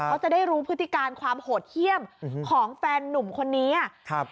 เขาจะได้รู้พฤติการความโหดเยี่ยมของแฟนนุ่มคนนี้อ่ะครับ